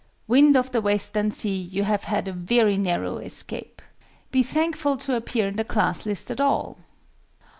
"Wind of the western sea," you have had a very narrow escape! Be thankful to appear in the Class list at all!